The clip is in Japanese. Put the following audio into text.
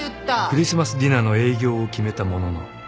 ［クリスマスディナーの営業を決めたものの問題は］